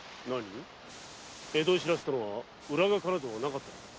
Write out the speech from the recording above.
江戸へ報せたのは浦賀からではなかったのか？